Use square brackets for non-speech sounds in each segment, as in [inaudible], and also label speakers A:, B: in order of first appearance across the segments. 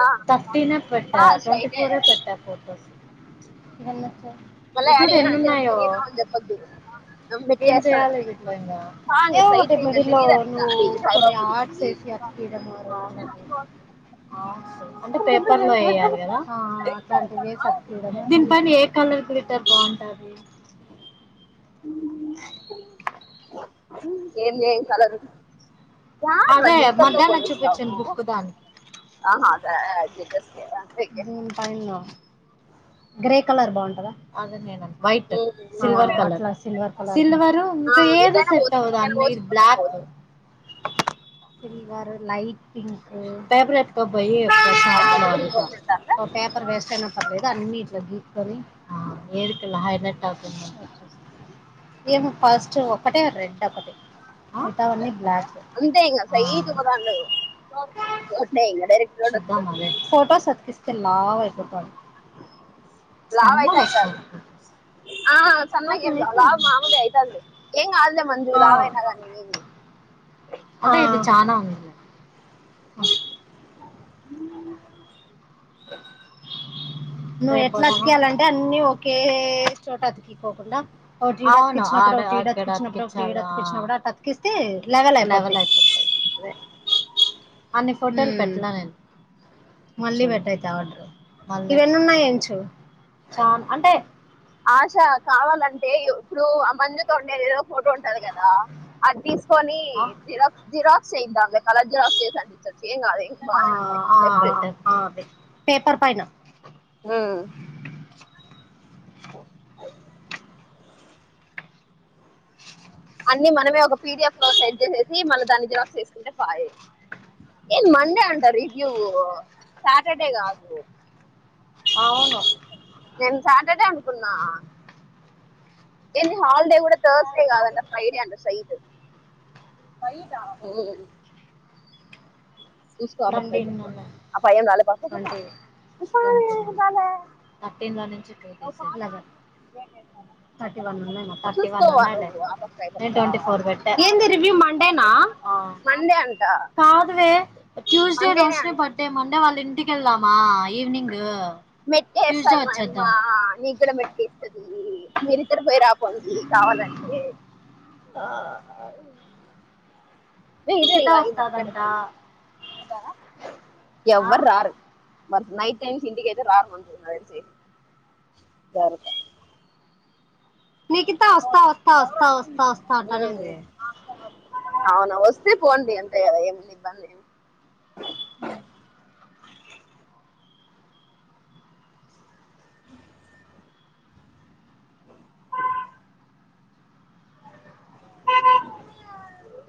A: ఆ
B: థర్టీనే పెట్టా
A: ఆ
B: ట్వంటీ
A: స్ట్రైటే
B: ఫోరే పెట్టా ఫోటోస్
A: మళ్ళ యాడికి తిరిగిన అని చెప్పొద్దు
B: ఏం చెయాలి
A: మెట్టేస్తదంతే
B: వీటిలో ఇంకా
A: ఆ ఇంగ
B: ఏ ఒకటి
A: స్ట్రైట్ ఇంగ
B: మెడి లో
A: తెలీదా నీకు
B: నువ్వు
A: దారి సాయిబాబా
B: కొన్ని
A: గుడికి
B: ఆట్స్ వేసి అతికియడం అంటే పేపర్ లో వేయాలి కదా అట్లాంటివిక్తి దీని పైన ఏ కలర్ ఇట్టారు బాగుంటది
A: ఉ ఏం ఏ కలదు యాడరా
B: అదే
A: రనిత
B: మధ్యాహ్నం
A: కొస్తహా
B: చూపించాను బుక్ దానికి జూన్ పైను గ్రే కలర్ బాగుంటంది వైట్
A: మ్మ్
B: సిలవరు
A: బావుంటది
B: కలర్
A: ఆ ఎటైనా పోవచ్చు ఇటు
B: సెట్వుదు
A: పక్కైనా
B: అన్న
A: పోవచ్చు
B: ఇది
A: ఇటు పక్కైనా
B: బ్లాక్
A: పోవచ్చు
B: ఫీ వారు లైట్ పంక్ ఫేబరెట్ బయ ఇ
A: అటు పక్క కూడా పోకుంటాందా
B: పేపర్ వేస్ట్ అనా పర్లేదు అన్నిీట్లకి కానీ ఆ ఏకలే హైలట్ ఆకు ఫస్ట్ ఒకటే రెడ్ వాతావరణి బ్లాక్
A: అంతే ఇంగ సైట్ ఒక దాంట్లో రోడ్డే ఇంగ డైరెక్ట్ రోడ్
B: శుద్ద్దం
A: వస్తది
B: అ ఫోటోస్ అత్కిస్త లాభయిపోంది
A: లావు అయిత అయిత అది
B: వస్తారు
A: ఆ
B: అవును
A: చన్నగేం లాభ్
B: అయిపోయింది
A: మాముది అయిత అది హంగ్ అ మంజూ లావ్ యనదనివి
B: అదా ఇది చానాా అ ఓహ
A: తిన్న
B: నువ్వు ఎట్లాతికేయాలింటే అన్నిీ ఒకే చోటా తకు హంద తికిస్తే లెవల్ లెవల్ అయిపోతుంది అన్ని ఫోటోలు పెట్నా నేను మళ్ళీ బెట్టు అయితే ఇవేన్ని ఉన్నాయించ చ అంటే
A: ఆశ కావాలంటే ఇప్పుడు అమంజ తోటి ఏదో ఫోటో ఉంటది కదా అది తీ పోని
B: ఆ,
A: జిరాక్స్ జిరాక్స్ చేద్దాం లే కలజ చేసాను ఏం కాదే
B: ఆ,
A: బాగానే ఉంది
B: ఆ,
A: లెఫ్ట్
B: ఆ, అవి. పేపర్ పైన
A: ఆ అన్ని మనమే ఒక పీడిఎఫ్ లో సెట్ చేసేసి మళ్ళ దాన్ని జిరాక్స్ చేసుకుంటే పాయే. ఏ మండే అంట రివ్యూ సాటర్డే కాదు.
B: అవును.
A: నేన్ సాటర్డే అనుకున్నా. ఏంది హాలిడే కూడా తార్స్డే కాదు అంట, ఫ్రైడే అంట సైట్. చూసుకో అప్ప.
B: థర్టీన్ ట్వంటీ ట్వంటీ
A: [unintelligible]
B: థర్టీన్ లో నుంచి థర్టీ వన్ ఉన్నాయి మొత్త్, థర్టీ వన్
A: చూసుకోవా
B: ఉన్నాయిలే,
A: నువ్వు ఆ పక్క ఈ
B: నేను
A: పక్క
B: ట్వంటీ ఫోర్ పెట్ట. ఆ
A: మండే అంట
B: కాదువే, ట్యూస్డే
A: మండేనే
B: రోష్ని
A: అంట
B: బర్త్ డే. మండే వాళ్ళింట్ సిక్స్ కేల్దమా ఈవినింగ్.
A: మేట్కాయ్
B: ట్యూస్డే
A: ఏస్తాది మాయమ్మా,
B: వచ్చేద్దాం
A: నీ కూడా మేట్కాయ్ ఇస్తది. మీర్ ఇద్దరు పోయి రాప్. [unintelligible] కావాలంటే.
B: ఆ.
A: ఏ ఇదే ఇగ
B: వస్తాదంట
A: [unintelligible]
B: ఆ
A: ఎవ్వరు రారు. మన్ నైట్ టైమ్స్ ఇంటికైతే రాకుండ్రి, నాకు తెలిసి జాగ్రత్త.
B: నిఖిత వస్తా వస్తా వస్తా వస్తా వస్తా వస్తా అంటా అనింది.
A: అవునా వస్తే ఫోన్ చేయి అంతేగద, ఏముంది ఇబ్బంది ఏం.
B: ఉమ్.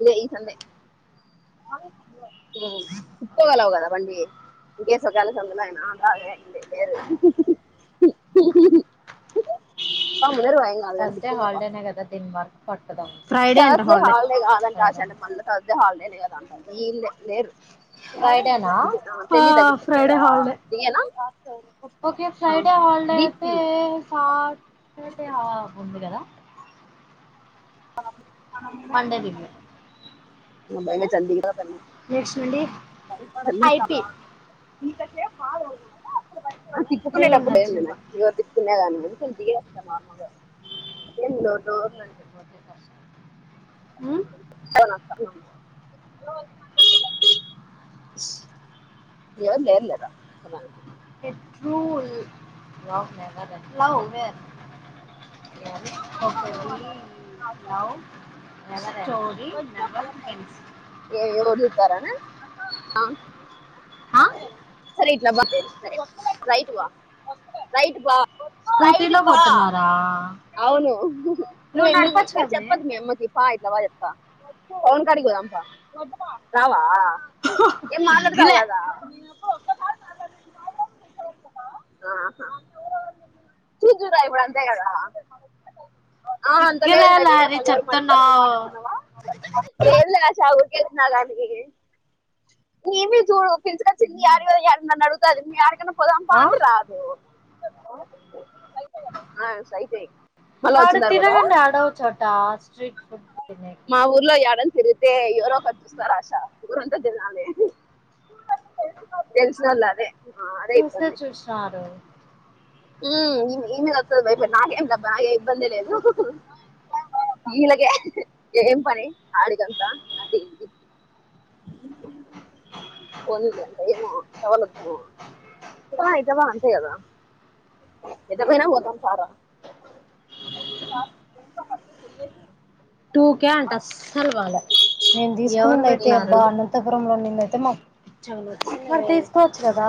A: లే ఈ సండే. ఉప్పగలవ్ కదా బండి, నేన్ జేస్. సొకాల సొందులైన, ఆ అదే. లే వేరు. పా ముందర
B: థర్స్డే హాలిడేనే కదా దిన్ వర్క్. పట్టదాం ఫ్రైడే అంట
A: థార్డ్స్ హాలిడే కాదంట
B: ఫ్రైడే
A: ఆషాఢం, మళ్ళ థార్డ్స్ హాలిడే. ఈ ఇల్లే లేరు.
B: ఫ్రైడేనా హా
A: తెలీదా
B: ఫ్రైడే
A: గుర్తుకులేదా
B: హాలిడే.
A: దిగేనా
B: ఓకే ఫ్రైడే హాలిడే అయితే,
A: దీప్తి
B: సాటర్డే ఆఫ్ ఉంది కదా. మండే లీవ్
A: [unintelligible] [unintelligible]
B: నెక్స్ట్ నుండి ఐపీ.
A: తల్లి ఆ
B: ఫ్రీ
A: తిప్పుకునేటప్పుడు
B: ఉండొచ్చు
A: ఎందమి
B: ఇంకా
A: [unintelligible] తిన్నదండి ఏం డోర్లండి.
B: ఉ
A: టా న స. ఏందీ ఏర్లేరా.
B: ఏ ట్రూ లా లవ్ మ్యా స్టోరీ స్టోరీ నెవెర్ ఎండ్స్.
A: ఏం ఎవరు చూత్తారనా అహ ఆ సరె ఇట్లా బ రైట్ బ రైట్ బ
B: స్కూటీలో పోతున్నారా
A: అవును నువ్
B: నువ్వు
A: ఎందుకు
B: నడపచ్చు
A: [unintelligible]
B: కదే
A: చెప్పద్దు మీ అమ్మకి ఆ ఇట్ల పోయొస్తా పొలం కాటికి పోదాం పా రావా ఏం మాట్లాడుతావు
B: సిగ్గులే
A: కదా చూజూరా ఇప్పుడు అంతే కదా ఆ అంత
B: సిగ్గులే
A: లేదులే వీడియో
B: లారీ
A: కాల్ లో కనబడుతాంది
B: చెప్తున్నావు
A: మాకు లేదులే [unintelligible] ఈమ్మి చూడు పిల్చుకొచ్చింది యాటికో యాటికి నన్నుడుగుతాంది. యాడికన్న పొదంప
B: ఆ?
A: అంటే రాదు ఆ అయితే ఇక మళ్ళా
B: ఆడ
A: వచ్చిన తర్వాత
B: తిరగండి ఆడో చోటా స్ట్రీట్ ఓ
A: మా ఊర్లో యాడన్న తిరిగితే ఎవరో ఒకరు చూస్తార ఆశా ఊరంతా తిరునాలే తెల్సు గదా అదే ఆ అదే
B: చూస్తే చూశినారు
A: మ్మ్ ఈమ్మే ఈమ్మే ఒత్తాది భయపడి, నాకెంలెబ్బా ఏం ఇబ్బంది లేదు, వీళ్ళేకే ఏం పని ఆడికొస్తా [unintelligible] ఇట్టవ ఇట్టవ అంతే కదా, ఎట్ట పోయిన [unintelligible] సారు
B: టూకే అంటే అస్సలు బాలే నేను తీసుకోయింది అయితే అ
A: ఏంది
B: అనంతపుర లోని తా మరి, మరి తీసుకోవచ్చు కదా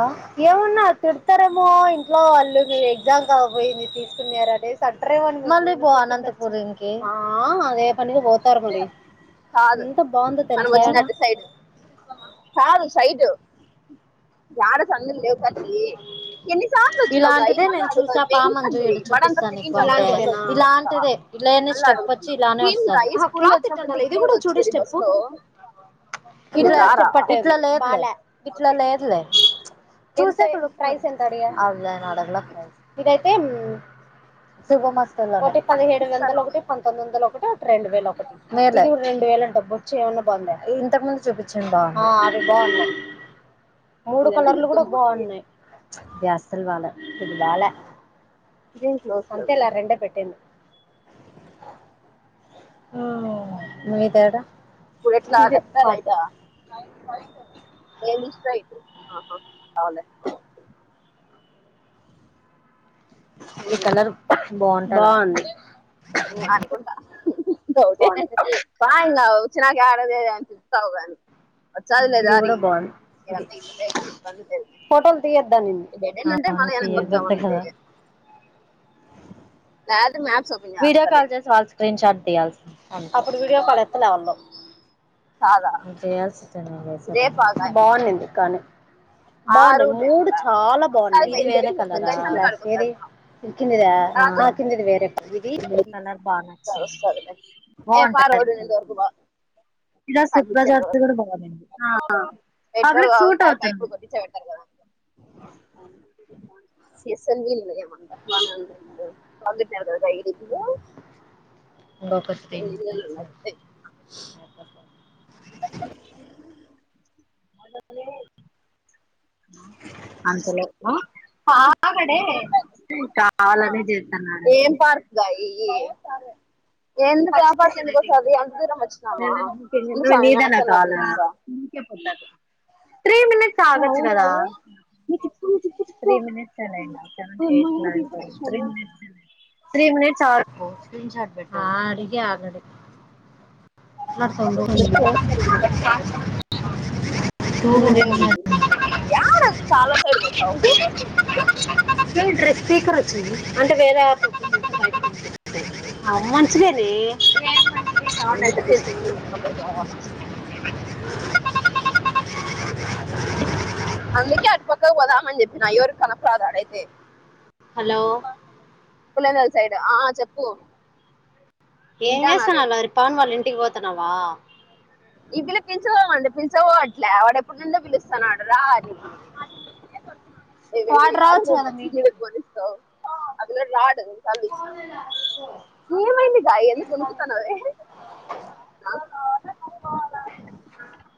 B: ఏమన్నా తిడతారేమో ఇంట్లో వాళ్ళుకి ఎగ్జామ్ కాకపోయింది తీసుకునే అనేసంటరెమో అని మళ్ళీ పో అనంతపురం కి ఆ పనిగా పోతారు మరి
A: కాదు
B: ఎంత బాగుందో
A: మనం
B: తెలుసా
A: వచ్చినట్ట సైడ్ కాదు సైడ్ యాడ సందుల్లేవు [unintelligible] ఎన్ని
B: ఇలాంటిదే నేను చూసా
A: సంది
B: పామంజుయుడు
A: బడంతా
B: చూపిస్తాను నీకు
A: తిరిగింటావు కదా బళ్ళు వచ్చినంత
B: ఇలాంటిదే ఇలానే
A: మళ్ళ
B: స్టెప్ వచ్చి
A: అడుగుతున్నా
B: ఇలానే
A: ఏం
B: వస్తది
A: గాయి స్కూల్లో
B: క్లాత్
A: వచ్చినప్పుడు
B: ఇట్టింటా
A: అంతా
B: లేదు ఇది
A: ఇట్లే
B: కూడా
A: కదా
B: చూడు
A: వచ్చేది బస్
B: స్టెప్పు
A: లో
B: ఇది
A: మీరు
B: కూడా స్టెప్పు
A: రారా
B: ఇట్లా చెప్పలా ఇట్లా లేదు వా ఇట్ల
A: ఓకే
B: లేదులే చూసేయండి [unintelligible] ఆమెనేమి అడగలే ఇదైతే శుభమస్తులో ఒకటి పదిహేడు
A: అఫ్ఘనిస్తాన్
B: వందలు ఒకటి పంతొమ్మిది వందలు ఒకటి ఒకటి రెండు వేలు ఒకటి రెండు వేలు అంట బొచ్చు ఏమన్నా బాందా ఇంతకు ముందు చూపించింది బాంది మూడు
A: ఇదేనా
B: కలర్లు కూడా
A: దుర్గమ్మ గుడి
B: బాగున్నాయ్ బ్యా అసల్ బాల్య ఇది బ్యాల
A: ఇదేం క్లోజ్ లో
B: అంతేలే
A: ఉంది
B: ఆ రెండే పెట్టింది మీ తేడా
A: ఇప్పుడు ఎట్లా
B: ఇదే
A: లెఫ్ట్ ఆ
B: హాట్
A: రైటా ఏంది స్ట్రైట్ ఆహా అవునులే
B: ఈ కలర్ బాగుంటది
A: ఉ అనుకుంట డౌటె పా ఇంగ ఇచ్చినకా యాడ లేదు అంటుంది వస్తావు గాని వస్తది లే
B: ఇది
A: దారి
B: కూడా బాగుంది ఇది
A: డెడ్ ఎండ్
B: ఆ
A: ఉంటే మళ్ళీ వెనక్కి
B: తీయదట్ట కదా
A: లేదు మ్యా
B: వీడియో కల్ చేసి వాళ్ళ స్క్రీన్ షాట్ టియల్స అప్పుడు వీడియో కాల్ ఎత్తలే వాళ్ళు
A: కాదా రేపాగాయమ్మ ఆ
B: బాగున్నాయి
A: రూట్ ఏమో
B: మూడు
A: లేకపోతే
B: చాలా
A: ఒకసారి
B: బాగున్నాయి ఇది
A: పోయి
B: వేరే
A: గైస్
B: కలర్
A: గైస్ అందరి
B: ఆ
A: కాడికి
B: ఏది
A: ఒకసారి పోదాం
B: కిందిధ ఆ
A: కాదు
B: కిందిది వేరే ఇది కలర్ బాగా నచ్చంది
A: వస్తదిలే రేపు ఆ
B: బాగుంటది అది
A: రోడ్డు ఉన్నంత వరకు బా
B: ఇది సిప్
A: కనిపించేంత
B: బజార్ ది
A: వరకు
B: కూడా బాగులేంది
A: పెట్రోల్
B: పబ్లిక్ సూట్
A: బాగుంటే ఆ
B: అవుతుంది
A: పైపులు కొట్టించ పెడతారు కదా ఎస్ ఎన్ వి లో ఏమంట బానే ఉంది అంటనా
B: ఇంకొక టెన్
A: ఇల్లులు
B: మినిట్స్
A: ఉన్నారు
B: అంతలే కావాలని చెతన్నాడు
A: ఈ ఎందుకు ఆ పక్క ఎందుకొస్తాది అంత దూరం వచ్చన్నామా ఉండు సామి మ్యాప్స్
B: నీదేనా
A: అన్న ఓపెన్
B: కాల్
A: చేస్తా
B: నీకే పోతాది త్రీ మినిట్స్ ఆగచ్చు కదా త్రీ మినిట్స్ ఏ లే ఇంకా seven eight nine ten three minutes ఆ అడిగ ఆల్రెడీ
A: నువ్వు ఏం ఇంత దూరమా యాడ చాలా సైడ్ పోతావు
B: డ్రెస్ స్పీకర్ వచ్చింది అంటే వేరే అవ్వను చ
A: అందుకే తెలిసిందే క్కదామ చెప్పిన న అయ్యోరు కనప అదు అయితే
B: హలో
A: పుల్లనల్ సైడ్ ఆ చెప్పు
B: ఏం
A: వింటానాలే
B: చేసనాాల వరి పవన్ వాలళంటి వకి పోతునావా
A: ఈ పిల్ల పిచకోవమండి పిచకో అట్లే వాడ ఎప్పుడుపలుస్తన్నా రాజ ఏద మీ
B: వాడు
A: ఆడ
B: రావచ్చు కదా మీ
A: మంచి గ
B: ఇంటికి
A: పోస్తా అ రా నమైందికాయ ఎందుకు కొనుకుతాను అే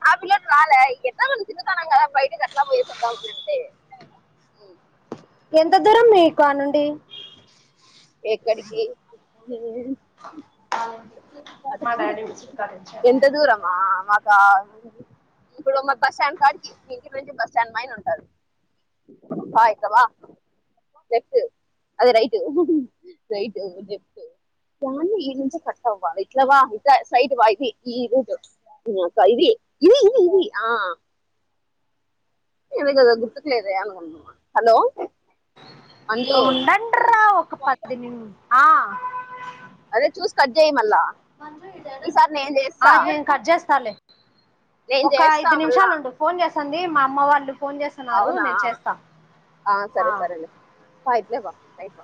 A: ఆ పిల్లలు రాలే ఇంకట్లా మన చిన్నతనం కదా బయటకి అట్లా పోయే సద్దాము అంటే
B: ఎంత దూరం మీకు అ నుండి
A: ఎక్కడికి
B: మా
A: చడ
B: డాడీ విసిరి కాడ నుంచి
A: ఎంత దూరమా మా ఇప్పుడు మా బస్ స్టాండ్ కాడికి మీ ఇంటి నుంచి బస్ స్టాండ్ మా ఉంటారువాలెఫట్ అది రైట్ రైట్ దాన్ని ఈ నుంచ కట్టవ్వ ఇట్లా వా ఇ సైట్ వా ఇది ఈ రూ ఇది ఇది ఇది ఇది ఆ ఎదిగద గుతుకులేద అను హలో మంజు
B: ఉండండరా ఒక పదినిడు ఆ
A: అదే చూస్ కట్జాయి మ ఈసారి నేను
B: ఆ
A: చేస్తా
B: నేను కట్ చేస్తాలే
A: నేను
B: ఒక
A: చేస్తా
B: ఐదు నిమిషాలు
A: మళ్ళా
B: ఉండు ఫోన్ చేస్త ది మా అమ్మ వాళ్ళు ఫోన్ చేస్తున్నారు
A: అవునా
B: నేను చేస్తా
A: ఆ సరే సరేనయిత్లే బ అయిపో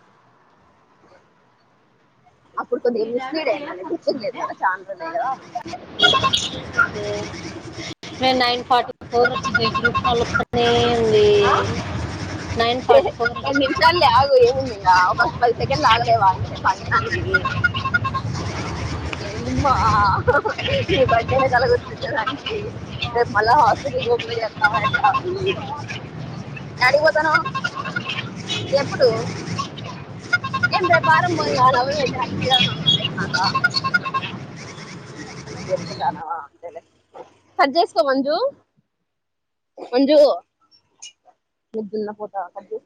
B: ఇడారు టేప్ వచ్చి
A: కదా చాలా రోజులే కదా
B: నేను నైన్ ఫార్టీ ఫోర్ పలునే ఉంది నైన్ ఫార్టీ ఫోర్
A: రెండు నిమిషాలు ఆగు ఏముంది ఇంకా ఒక పది సెకండ్లు ఆగలేవా ఇయనసేపుంట దానికి ఏ నిమ్ నవ బడ్నే కలగతుందా అంనికికి రేపు మళ్ళా హాస్పిటల్ గప చేస్తావా ఎ అడిగిపోతాను ఎప్పుడు ఏం ర బారం పోయి ననాక అ చెప్పు అ కట్ చేసుకోమందు అంజ నిద్దున్న పోతా అబే